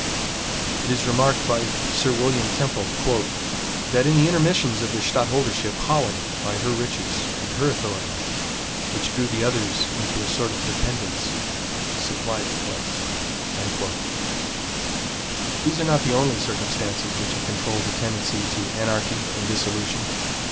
It is remarked by Sir William Temple, "that in the intermissions of the stadtholdership, Holland, by her riches and her authority, which drew the others into a sort of dependence, supplied the place." These are not the only circumstances which have controlled the tendency to anarchy and dissolution.